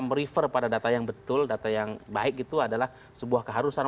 merifer pada data yang betul data yang baik itu adalah sebuah keharusan